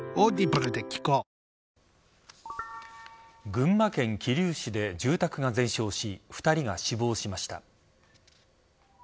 群馬県桐生市で住宅が全焼し２人が死亡しました。